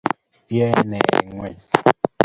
Iyoe ne eng ngweny?